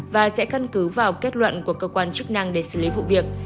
và sẽ căn cứ vào kết luận của cơ quan chức năng để xử lý vụ việc